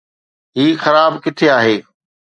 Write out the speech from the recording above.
هي خراب ڪٿي آهي؟